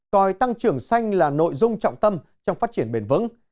coi tăng trưởng xanh là nội dung trọng tâm trong phát triển bền vững